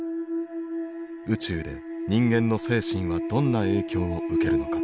宇宙で人間の精神はどんな影響を受けるのか。